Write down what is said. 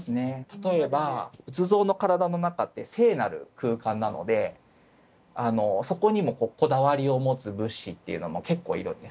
例えば仏像の体の中って聖なる空間なのでそこにもこだわりを持つ仏師っていうのも結構いるんですね。